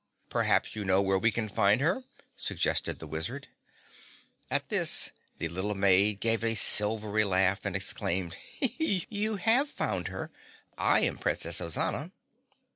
"Perhaps you know where we can find her," suggested the Wizard. At this the little maid gave a silvery laugh and exclaimed, "You have found her I am Princess Ozana!"